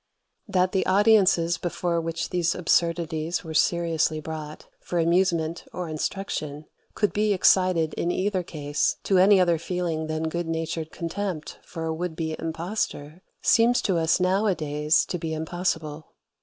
That the audiences before which these absurdities were seriously brought, for amusement or instruction, could be excited in either case to any other feeling than good natured contempt for a would be impostor, seems to us now a days to be impossible.